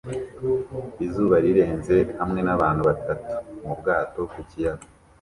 Izuba rirenze hamwe n'abantu batatu mu bwato ku kiyaga